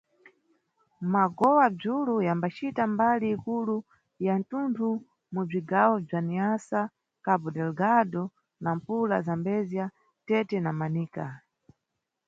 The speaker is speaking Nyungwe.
Magowa-dzulu yambacita mbali ikulu ya mtunthu mu bzigawo bza Niassa, Cabo-Delegado, Nampula, Zambézia, Tete na Manica.